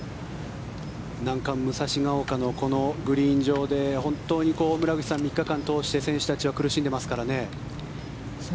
難関、武蔵丘のこのグリーン上で本当に村口さん、３日間通して選手たちは苦しんでいますからね。